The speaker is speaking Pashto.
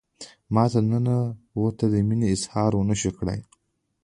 ما تر ننه ورته د مینې اظهار ونشو کړای.